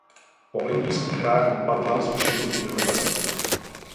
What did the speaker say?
Po olympijských hrách vypadla z užšího výběru reprezentace.